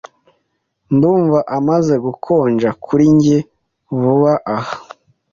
Ndumva amaze gukonja kuri njye vuba aha.